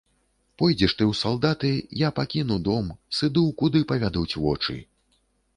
Пойдзеш ты ў салдаты, я пакіну дом, сыду, куды павядуць вочы.